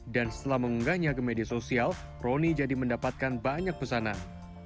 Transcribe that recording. dan setelah mengunggahnya ke media sosial ronny jadi mendapatkan banyak pesanan